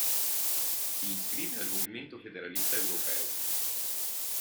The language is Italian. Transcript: Si iscrive al Movimento Federalista Europeo.